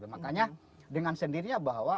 makanya dengan sendirinya bahwa